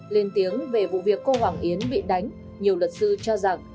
lên tiếng về vụ việc cô hoàng yến bị đánh nhiều luật sư cho rằng